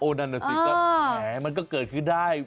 โอ้นั่นแหละสิมันก็เกิดขึ้นได้